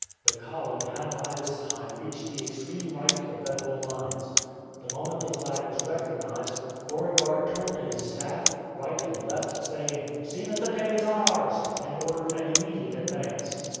The column had by this time reached the extreme right of the Federal lines. The moment the flag was recognized, Beauregard turned to his staff, right and left, saying, "See that the day is ours!" and ordered an immediate advance.